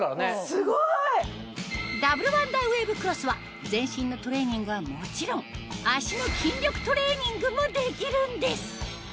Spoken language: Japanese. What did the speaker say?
すごい！ダブルワンダーウェーブクロスははもちろん足の筋力トレーニングもできるんです！